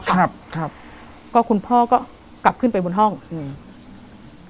ครับครับก็คุณพ่อก็กลับขึ้นไปบนห้องอืม